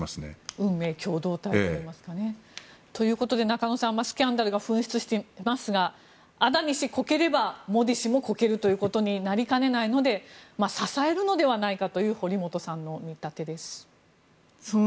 運命共同体といいますかね。ということで中野さんスキャンダルが噴出していますがアダニ氏こければモディ氏こけるということになりかねないので支えるのではないかという堀本さんの見立てです。